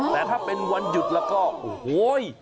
แต่ถ้าเป็นวันหยุดแล้วก็โอ้โห